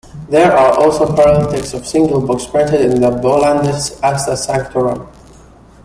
There are also parallel texts of single books printed in the Bollandists' "Acta Sanctorum".